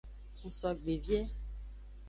Ngsogbe vie.